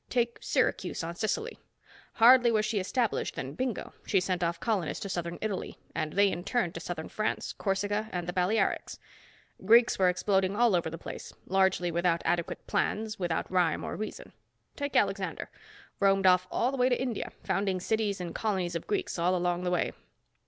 Take Syracuse, on Sicily. Hardly was she established than, bingo, she sent off colonists to Southern Italy, and they in turn to Southern France, Corsica, the Balearics. Greeks were exploding all over the place, largely without adequate plans, without rhyme or reason. Take Alexander. Roamed off all the way to India, founding cities and colonies of Greeks all along the way."